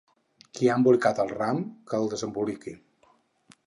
Qui ha embolicat el ram, que el desemboliqui.